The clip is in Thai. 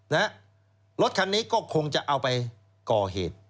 รถคันนี้ก็คงจะเอาไปก่อเหตุ